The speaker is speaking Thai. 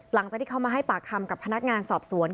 หลังจากที่เขามาให้ปากคำกับพนักงานสอบสวน